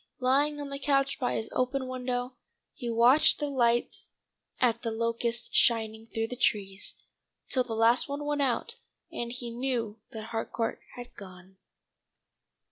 Lying on the couch by his open window, he watched the lights at The Locusts shining through the trees, till the last one went out, and he knew that Harcourt had gone.